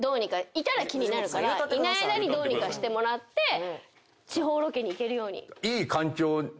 いたら気になるからいない間にどうにかしてもらって地方ロケに行けるように。